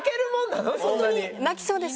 泣きそうです。